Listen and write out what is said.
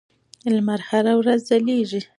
لمر هره ورځ ځلېږي.